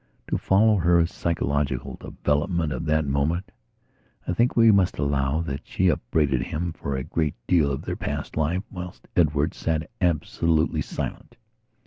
To follow her psychological development of that moment I think we must allow that she upbraided him for a great deal of their past life, whilst Edward sat absolutely silent.